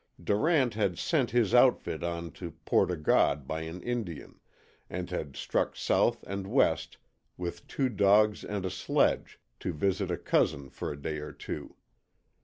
Durant had sent his outfit on to Port O' God by an Indian, and had struck south and west with two dogs and a sledge to visit a cousin for a day or two.